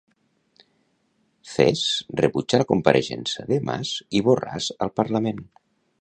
Cs rebutja la compareixença de Mas i Borràs al Parlament.